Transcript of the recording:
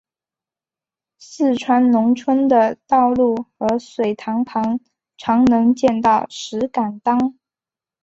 四川农村的道路和水塘旁常能见到石敢当。